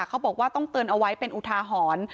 เขาบอกว่าต้องเตือนเอาไว้เป็นอุทาหรณ์